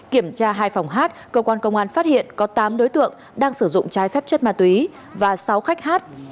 kiểm tra hai phòng hát cơ quan công an phát hiện có tám đối tượng đang sử dụng trái phép chất ma túy và sáu khách hát